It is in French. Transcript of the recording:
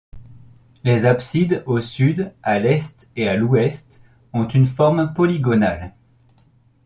Les absides au sud, à l'est et à l'ouest ont une forme polygonale.